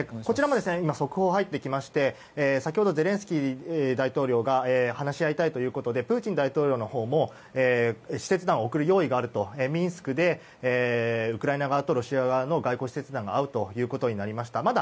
こちらも速報が入ってきまして先ほどゼレンスキー大統領が話し合いたいということでプーチン大統領のほうも使節団を送る用意があるとミンスクでウクライナ側とロシア側の外交使節団が会うということになりました。